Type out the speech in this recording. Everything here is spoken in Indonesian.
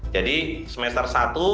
jadi semester satu